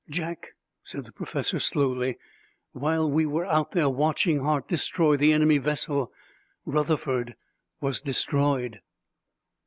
"Jack," said the professor slowly, "while we were out there watching Hart destroy the enemy vessel, Rutherford was destroyed!"